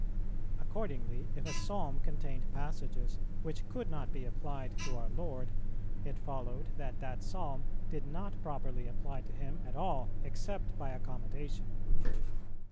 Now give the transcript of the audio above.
Accordingly, if a Psalm contained passages which could not be applied to our Lord, it followed that that Psalm did not properly apply to Him at all, except by accommodation.